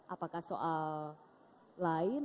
apakah soal lain